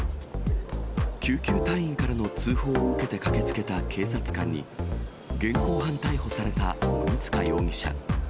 救急隊員からの通報を受けて駆けつけた警察官に、現行犯逮捕された鬼束容疑者。